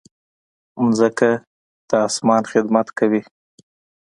مځکه د انسان خدمت کوي.